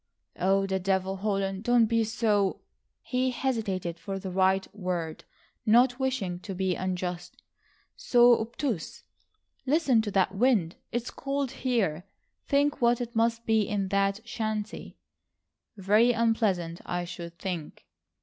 "Oh, the devil, Holland, don't be so—" he hesitated for the right word, not wishing to be unjust,—"so obtuse. Listen to that wind! It's cold here. Think what it must be in that shanty." "Very unpleasant, I should think."